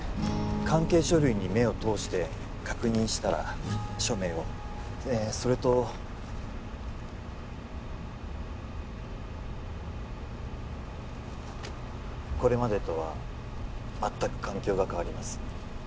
関係書類に目を通して確認したら署名をえそれとこれまでとは全く環境が変わります